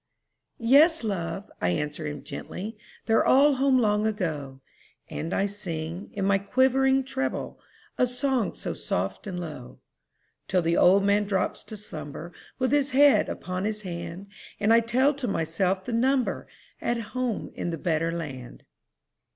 "Yes, love!" I answer him gently, "They're all home long ago;" And I sing, in my quivering treble, A song so soft and low, Till the old man drops to slumber, With his head upon his hand, And I tell to myself the number At home in the better land.